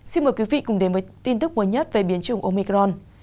xin mời quý vị cùng đến với tin tức mới nhất về biến chủng omicron